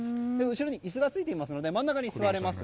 後ろに椅子がついていますので真ん中に座れます。